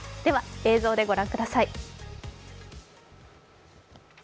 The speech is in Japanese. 映像でご覧ください。